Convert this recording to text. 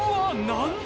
何だ